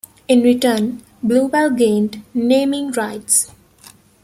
In return, Blue Bell gained naming rights.